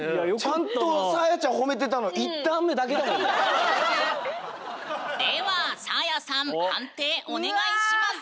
ちゃんとサーヤちゃん褒めてたのではサーヤさん判定お願いします！